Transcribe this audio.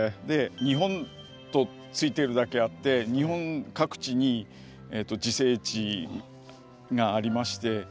「ニホン」と付いているだけあって日本各地に自生地がありまして。